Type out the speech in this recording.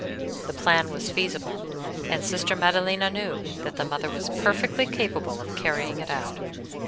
The plan was feasible, and Sister Maddelena knew that the Mother was perfectly capable of carrying it out.